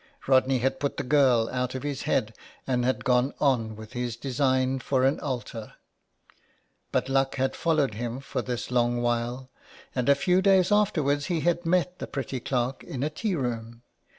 Rodney had put the girl out of his head, and had gone on with his design for an altar. But luck had followed him for this long while, and a few days afterwards he had met the pretty clerk in a tea room.